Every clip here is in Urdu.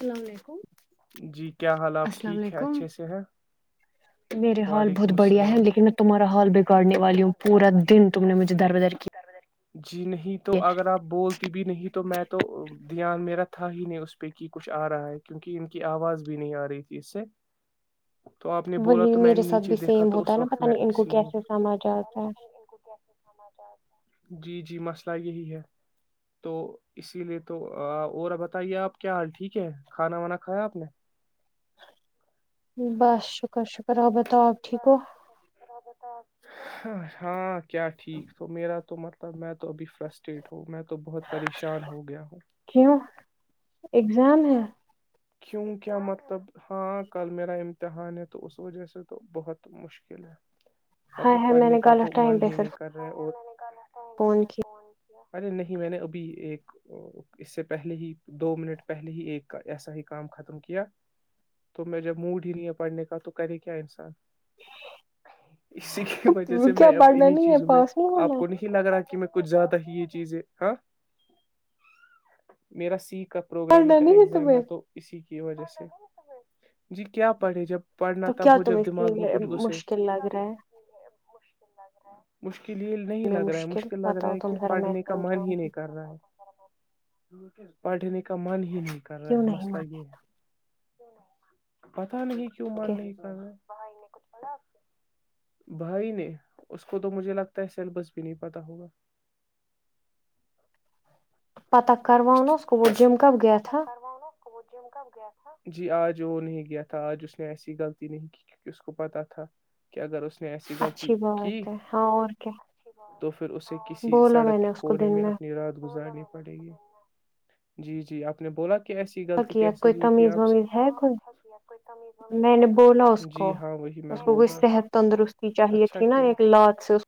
السلام علیکم جی کیا حالات السلام ٹھیک ہے علیکم اچھے سے ہیں میرے ہال وعلیکم بہت بڑھیا ہے السلام لیکن میں تمہارا ہال بگاڑنے والی ہوں پورا دن تم نے مجھے در بدر کیا جی نہیں تو اگر آپ بولتی بھی نہیں تو میں تو دھیان میرا تھا ہی نہیں اس پہ کہ کچھ آ رہا ہے کیونکہ ان کی آواز بھی نہیں آ رہی تھی اس سے تو آپ نے بولا وہی تو میں نے میرے ساتھ نیچے بھی دیکھا سیم تو ہوتا اس ہے نا وقت پتا میں نہیں ان کو اسی لیے کیسے سمجھ آا ہے جی جی مسئلہ یہی ہے تو اسی لیے تو اور بتائیے آپ کیا حال ٹھیک ہے کھانا وانا کھایا آپ نے بس شکر شکر آ بتاؤ آپ ٹھیک ہو ہاں کیا ٹھیک تو میرا تو مطلب میں تو ابھی فرسٹیڈ ہ تو میں تو بہت پریشان ہو گیا ہوں اگزام ہے کیوں کیا مطلب ہاں کل میرا امتحان ہے تو اس وجہ سے تو بہت مشکل ہے ہاں مطلب ہے میں پڑھنے نے کا کل تو آف ٹائم من پہ ہی پھر نہیں کر رہے اور لسٹائم پ سس فون ارے نہیں میں نے ابھی ایک اس سے پہلے ہی دو منٹ پہلے ہی ایک ایسا ہی کام ختم کیا تو میں جب موڈ ہی نہیںیا پڑھنے کا تو کرے کیا انسان اسی کی وجہ سے کیا میں اب پڑھنا انیں نہیں ہے چیزوں میں پاس نہیں آپ ہونا کو نہیں لگ رہا کہ میں کچھ زیادہ ہی یہ چیزیں ہاں میرا سیکھ ہے پروگرام پڑھنا کا نہیں ایگزام تمہیں ہے تو اسی کی وجہ سے جی کیا پڑھے جب پڑھنا تو کیا تب ہو تم جب اس کی دماغ میں کچھ گھسے مشکل لگ رہا ہے مشکل کے لیے نہیں میں لگ رہا ہے مشکل لگ رہا بتاؤ ہے تم کہ ذرا میں پڑھنے کا من سمجھاؤں ہی گی نہیں کر رہا ہے پاھ نہیں کا من ہی نہیں کر رہا کیوں ہے نہیں مسئلہ مانے یہ ہے پتا نہیں کیوں مر گے نہیں کرا ھچھ بھائی نے اس کو تو مجھے لگتا ہے سلبس بھی نہیں پتا ہوگا پتہ کروا اس وہ جم کب گیا تھا جی آج وہ نہیں گیا تھا آج اس نے ایسی غلطی نہیں کی کیک اس کو پتاہ تھا کہ اگر اس نے ایسی غلط اچھی کی بات ہے ہاں اور کیا تو پھر اسے کسی بولا میں سڑک نے کے اس کو کونے دن میں اپنی رات گزارنی پڑے گی جی جی آپ اپ نے بولا کیسی کیا غلط کیا کیسے کوئی ہوئی تھی تمیز آپ سے ومیز ہے کوئی میں نے بولا اس کو جی ہاں وہی میں اس کو بول کوئی رہا تھا صحت تندرستی چاہیے اچھا تھی نا کیا ایک لات سے اس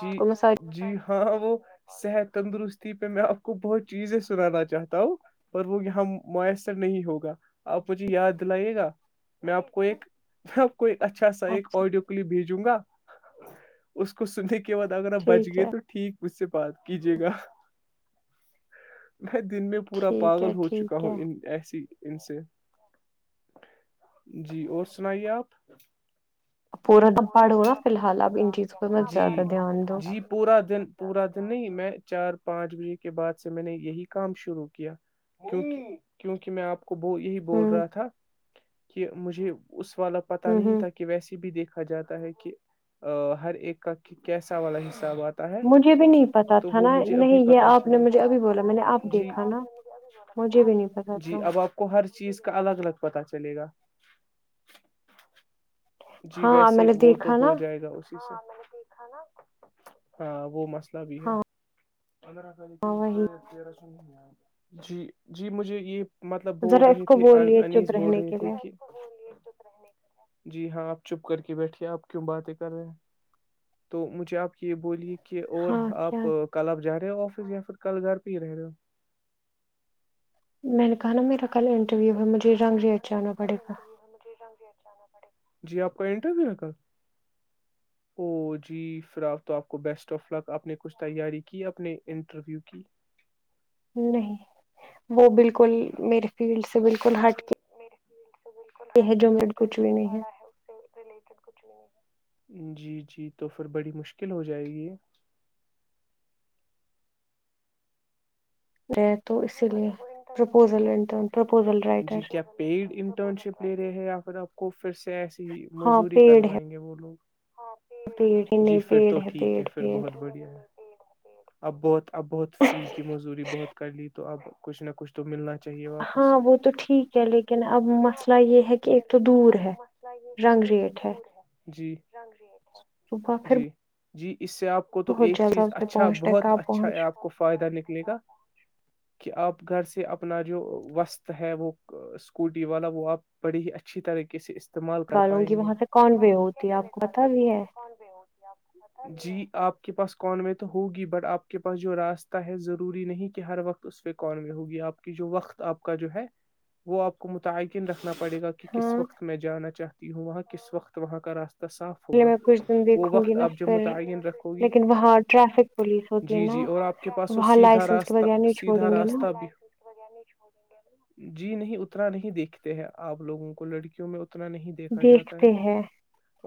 جی کو میں ساری جی ہاں وہ صحت تندرستی پہ میں آپ کو بہت چیزیں سنانا چاہتا ہ پر وہ یہاں میسر نہیں ہوگا آپ مجھے یاد دلائیے گا میں آپ کو ایک کوئی اچھا سا ایک اچھا آڈیو کلپ بھیجوں گا اس سننے کے بعد اگر آ بچ ٹھیک گئے ہے تو ٹھیک اس سے بات کیجیے گا میں دن میں پورا ٹھیک پاگل ہے ہوت چکا ٹھیک ہو ہے ان ایسی ان سے جی اور سنائیے آپ پورا نہ پڑھو نا فی الحال آپ ان چیزوں پرہ ب زیادہ دھیان دو پورا دن پورا دن نہیں میں چار پانچ بجے کے بعد سے میں نے یہی کام شروع کیا کیک کیونکہ میں آپ کو کو وہ یہی بول ہوں رہا تھا کہ مجھے اس والا پتا ہوں نہیں ہوں تھا کہ ویسیے بھی دیکھ ا جاتا ہے کہ ہر ایک کا کیسا والا حساب آتا ہے مجھے بھی نہیں پتا تو تھا وہ نا مجھے ابھی نہیں یہ پتہ آپ نے چلا مجھے ابھی بولا میں نے آپ جی دیکھا نا مجھے بھی نہیں پتا تھا جی اب آپ کو ہر چیز کا الگ الگ پت چلے گا جی ہاں میں ویسے نے وہ تو دیکھا ہو نا جائے گا اسی سے ہاں وہ مست بھی ہاں ہےدرا ہاں لیکن وہی تیرہ سو نہیں جی جی مجھے یہ مطلب بول ذرا اس رہے کو تھے بولیے چپ انیس بول رہنے رہے کے تھے لیے کہ ج جی ہاں آپ چپ کر کے بیٹھیے آپ کیوں باتیں کر رہے ہیں تو مجھے آپ کی یہ بولی کہ کہ اور ہاں کیا آپ کل آپ جا رہے ہو یا پھر کل گھر پی رہے رہ ہو میں نے کہ نا میرا کل انٹرویو ہے مجھے میں رنگ نے کہا ریٹ نا جانا میرا کل پڑے گا انٹرویو ہے مجھے ری جانا پڑے گا جی آپ کا انٹرویو ہے ک او جی فرا تو آپ کو بیسٹ آف لک آپ نے کچھ تیاری کی اپنے انٹرویو کی نہیں وہ بالکل میرے فیلڈ سے وہ بالکل ہٹ میرے فیلڈ سے بالکل ہٹ کے ہے میرے جو کچھ میں بھی نے نہیں پڑھا ہے اس سے ریلیٹڈ کچھ بھی نہیں ہے جی جی تو پھر بڑی مشکل ہو جائے گی ہے تو اسی لیے نہیںب وہٹر لے پرپوزل انٹرن پرپوزل رہے جی رائٹر کیا پیڈ انٹرن شپ لے رہے ہیں یا پھر کو پھر سے ایسی ہی موزوری کروائیں گے وہ لوگ بھییڑ انی جی پھر بھییڑ تو ہے ٹھیک پیڑ پھر پیڑ بہت بڑھیا ہے اب بہت اب بہت فری کی مزوری بہت کر لی تو اب کچھ نہ کچھ تو ملنا چاہیے ہاں واپس وہ تو ٹھیک ہے لیکن اب مسئلہ یہ ہے کہ ایک تو دور ہے رنگ ریٹ ہے جی صبح پھر جی جی اس سے آپ کو تو بہت ایک جلد چیز آپ سے اچھا پہنچنے بہت کا اچھا ہے پہنچ آپ کو فائدہ لکھنے کا کہ آپ گھر سے اپنا جو وسط ہے وہ اسکوٹی والا وہ آپ بڑی ہی اچھی طریقے سے استعمال کر نکالوں گی پائیں گے وہاں سے کون وے ہوتی ہے آپ کو نکالوں پتا بھی ہے گیاں جی آپ کے پاس کون میں تو ہوگی بٹ آپ کے پاس جو راستہ ہے ضروری نہیں ہر وقت اس پہ کون میں ہوگی آپ کی جو وقت آپ کا جو ہے وہ آپ کو متعقن رکھ نا پڑے گا کہ کس ہاں وقت میں جانا چاہتا ہوں وہاں کس وقت وہاں کا راستہ صاف ہوگا پے میں کچھ دن وہ دیکھوں گی وقت نا آپ جب پھر متعین رکھو گی لیکن وہاں ٹریافک پولیس ہوتی ہے جی جی نا اور آپ کے پاس وہ وہاں سیدھا لائسنس کے ب راستہ سیدھا راستہ ب جی نہیں اتنا نہیں دیکھتے ہیں آپ لوگوں کو لڑکیوں میں اتنا نہیں دیکھا جاتا ہے دیکھتے ہیں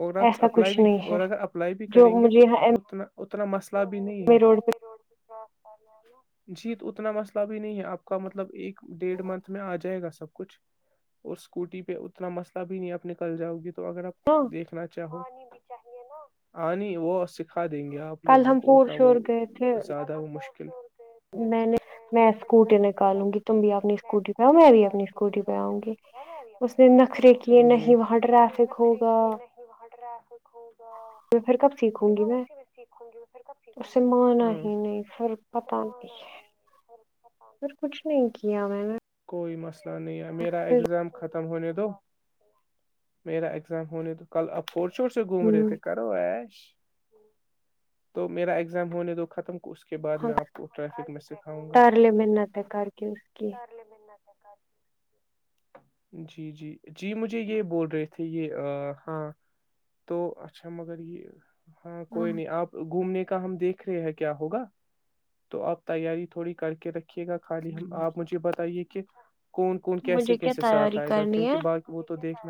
اور آپ ایسا اپلائی کچھ بھی نہیں ہے اور اگر اپلائی بھی جو کریں گے مجھے تو یہاں ایم اتنا اتنا مسئلہ بھی نہیں اے روڈ پہ جی تو اتنا مسئلہ بھی نہیں ہے آپ کا مطلب ایک ڈیھ منتھ میں آ جائے گا سب کچھ اور اسکوٹی پہ اتنا مسئلہ بھی نہیں آپ ن کل جاؤ گے تو اگر آپ نا دیکھنا چاہو ہ نہیں وہ سکھا ھا دیں گے آپ کل لوگوں ہم کو پور اتنا شور وہ گئے تھے زیادہ وہ مشکل [inaudible] میں نے میں اسکوٹی نکالوں گی تم بھی اپنی اسکوٹی پہ آؤ میں بھی اپنی اسکوٹی پہ آؤں گی اس نے نخرے کیے جی نہیں وہاں ٹریافک ہوگا میں پھر کب سیکھوں گی میں اسے مانا ہاں ہی نہیں پھر پتا نہیں سر کچھ نہیں کیا میں نے [inaudible] کوئی نہیں میرا پھر ایگزام خ ہونے دو میرا ایگزام ہونے دو کل اپنے فوڑ شھوڑ سے گھوم رہے تھے کرو ایش تو میرا اگزام ہونے دو ختم اس کے بعد ہ میں آپ کو ٹریفک میں سکھاؤں گا تارلے منتیں کر کے اس کی جی جی جی مجھے یہ بول رہے تھے یہ ہاں تو اچھا مگر یہ ہاں کوئی نہیں آپ گھومنے ہم دیکھ رہے ہیں کیا ہوگا تو آپ تیاری تھوڑی کر کے رکھیے گا خالی ہم آپ مجھے بتائیے کہ کون کون مجھے کیسے کیا کیسے ساتھ تیاری آئے گا کرنی ہے کیونکہ باقی وہ تو دیکھ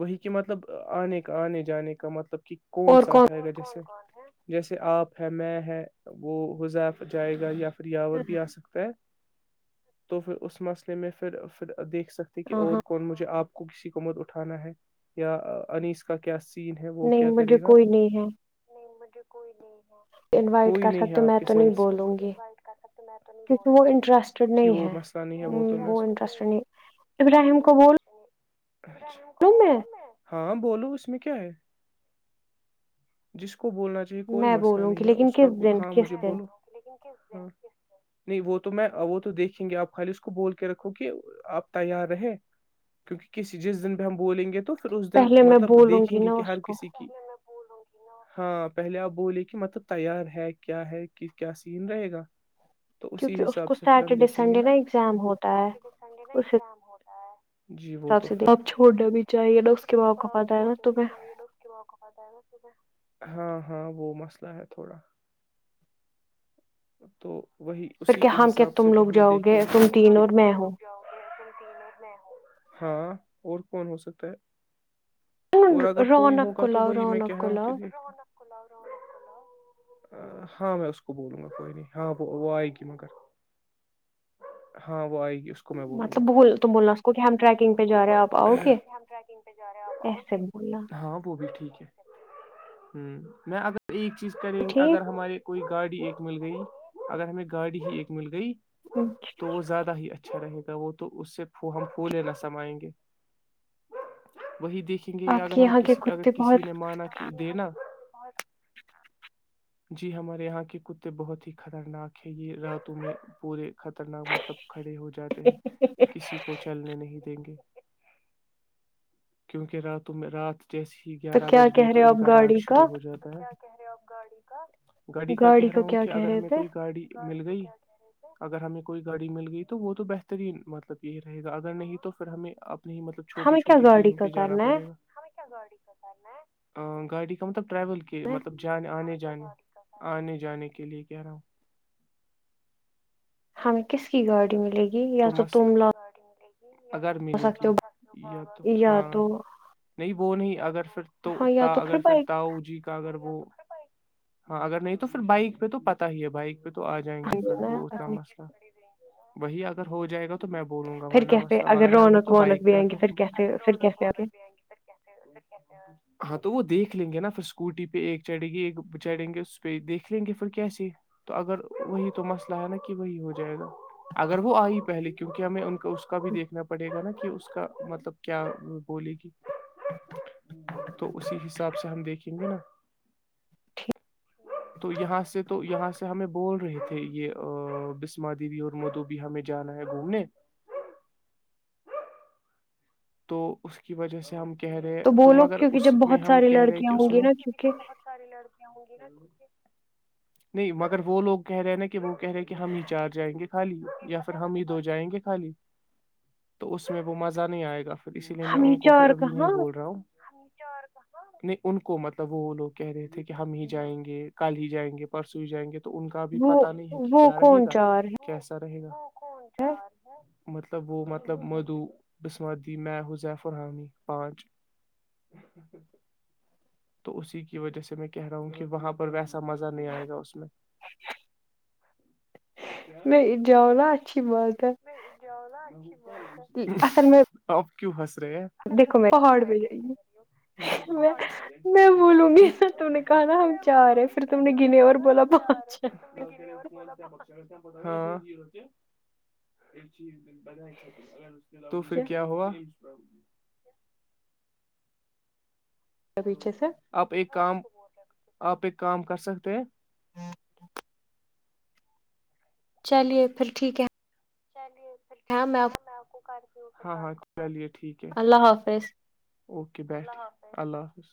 وہی کہ مطلب آنے کا آنے جانے کا مطلب کہ کون ساتھ آئے گا جیسے جیسے آپ ہے میں ہے وہ حزیف جائے گا یا پیاور بھی آ سکتا ہے تو پھر اس مسئلے میں پھر پھر دیکھ سکتے کہ ہاں اور ہاں کون مجھے آپ کو کسی کو مت اٹھانا ہے یا انیس کا کیا سین ہے وہ نہیں کیا مجھے کرے گا کوئی نہیں ہے کوئی نہیں انوائٹ کر ہے سکتے ہو آپ میں کے تو نہیں سائڈس بول وں گی کیکہ وہ انٹرسٹڈ جی نہیں وہ ہے مسئلہ نہیں ہے تو میں وہ اس کو انٹرسٹڈ نہیں ابراہیم کو بول جم کو گول ن ہاں بولو اس میں کیا ہے جس کو اس کو بولنا چاہیے کوئی میں مسئلہ بولوں گی نہیں ہے لیکن اس کا کس دن ہاں کس مجھے دن بولو ہ نہیں وہ تو میں وہ تو دیکھیں گے آپ خالی اس کو بول کے رکھو کہ آپ تیار رہے کیونکہ کسی جس دن بھی ہم بولیں گے تو پھر اس دن پہلے میں مطلب بولوں دیکھیں گی گے نا کہ اس ہر کو کسی کی ہاں پہلے آپ بولے کہ مطلب تیار ہے کیا ہے کس کیا سین رہے گا تو اسی کیونکہ اس حساب کو سے پھر ہم سیٹرڈے دیکھیں گے سنڈے نا ایگزام ہوتا ہے ناٹر اس سنےا جی وہ حساب سے توھر آپ چھوڑنا بھی چاہیے نا اس کے باپ کو پتہ ہے نا تمہیں ہاں ہاں وہ مسئلہ ہے تھوڑا تو وہی پھر اسی کیا کے ہم کیا حساب سے تم تو لوگ ہمیں جاؤ گے دیکھیے گا تم تین کہ اور میں ہوں ہاں اور کون ہو سکتا ہے ہوں اور اگر کوئی رونق کو ہوگا تو لاؤ وہی میں رونق کہہ کو رہا ہوں کہ لاؤ دیکھ ہاں میں اس بولوں گا کوئی نہیں ہاں وہ آئے گی مگر ہاں وہئے گی اس میں بولوں گاا مطلب بول تو بولنا اس کو کہ ہم ٹریکنگ پہ جا رہے ہیں آپ آؤ گے ایسے رہے بولنا ہاں وہ بھی ٹھیک ہے ہوں میں اگر ایک چیز کریں گے اگر ہمارے کوئی گاڑی ایکک مل گئی اگر ہمیں گاڑی ہی ایکک مل گئی ٹھیک تو وہ زیادہ ہی اچھا رہے گا وہ تو اس سے ہم پھ لے نہ سمائیں گے وہی دیکھیں گے آپ اگر کے ہم یہاں کے کسی اگر کتے کسی بہت نے مانا کہ دینا جی ہمارے یہاں کہ کتے بہت ہی خطرناک ہے یہ راتوں میں پورے خطرناک مطلب کھڑے ہو جاتے ہیں کسی کو چلنے نہیں دیں گے کیونکہ راتوں میں رات جیسے ہی تو گیارہ کیا بج گئے کہہ تو رہے ہو ان آپ کا راج گاڑی کا شروع ہو جاتا ہے گاڑی کا گاڑی کا کہ رہا ہوں کیا کہ کہہ اگر رہے ہمیں تھے کوئی گاڑی مل گئی اگر ہمیں کوئی گاڑی مل گئی تو وہ تو بہترین مطلب یہی رہے گا اگر نہیں تو پھر ہمیں آب نہیں مطلب چھوٹی ہمیں کیا چوٹی گاڑی چیزوں کا پہ جانا کرنا پڑے گا ہے گاڑی گاڑی کا مطلب ٹریول کی مطلب جان آنے کے ج ہ نہیں جانے کے لیئے کیاہ رہا ہوں ہمیں کس کی گاڑی ملے گی تو یا تم لا مسئلےڈگ اگر ملے گی سکتے ہو یا تو یا ہاں تو نہیں وہ نہیں اگرھر تو ہاں یا تو پھر اگرھر بائک تاؤ جی کا اگر وہ ہاں اگر نہیں تو پھر بائک پہ تو پتا ہی ہے بائک پ تو آ جائیں گے پھر وہ اتنا اپنے، مسئلہ وہی آ ہو جائے گا تو میں بولوں گا پھر ورنہ کیسے مستاحب اگر نہ رونق تو وونق بائک بھی پہ آئیں گی تو پھر کیسے پھر کیسے آگے ہاں تو وہ دیکھ لیں گے نا پھر اسکوٹی پہ ایک چڑے گی ایک چڑھیں گے اس پہ دیکھ لیں گے پھر کیسے تو اگر وہی تو مسئلہ ہے نا کہ وہی ہو جائے گا اگر وہ آئی پہلے کیونکہ ہمیں ان کو اس کا بھی دیکھنا پڑے گا نا کہ اس کا مطلب کیا بولے گی تو اسی حساب سے ہم دیکھیں گے نا تو یہاں سے تو یہاں سے ہمیں بول رہے تھے یہ بسم دیوی اور مدھو ہمیں جانا ہے گھومنے تو اس کی وجہ سے ہم کہہ رہے تو بولو مگر کیونکہ جب اس میں بہت ہم ساری کہہ رہے لڑکیاں کہ ہوں اس گی میں نا کیونکہ جو بہت نہیں مگر وہ لوگ کہہ رہے ہیں نا کہ وہ کہہ رہے کہ ہم ہی چار جائیں گے خالی یا پھر ہم ہی دو جائیں گے خالی تو اس میں وہ مزہ نہیں آئے گا پھر اسی لیے میں ہم یہ ان کو پھر چار ابھی نہیں کہاں بول رہا ہوں نہیں ان کو مطلب وہ وہ لوگ کہہ رہے تھے کہ ہم ہی جائیں گے کل ہی جائیں گے پرسوں ہی جائیں گے تو تو ان کا بھی وہ پتا نہیں ہے کہ وہ کیا رہے کون گا چار کیسا رہے گا مطلب وہ مطلب مدو بسم میں ح زیفرحامی پانچ تو اسی کی وجہ سے میں کہہ رہا ہوں کہ وہاں پر ویسا مزہ نہیں آئے گا اس میں میں جاؤ نا اچھی بات ہے نہیں جؤا اھی اصل میں کیوحس میں دیکھو پہاڑ میں پہ کیا کری جائیے ہوں پا میں میں بولوں گی نا تم نے کہا نا ہم چار ہے گی پھر تم نے گنے اور بولا پانچ ہے، کہ [inaudible] ایسی ہی ہے ب تو پھر کیا ہوا پیچھے سے آپ ایک کام آپ ایک کام کر سکتے ہیں چلیے پھر ٹھیک ہے چلیے پھر ٹھیک ہے میں آ کو کر ہاں ہاں چلیے ٹھیک ہے اللہ حافظ اوکے بیٹھ اللہ حافظ